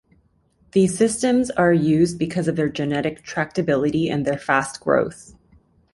These systems are used because of their genetic tractability and their fast growth.